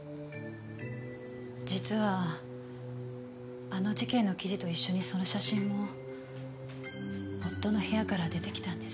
実はあの事件の記事と一緒にその写真も夫の部屋から出てきたんです。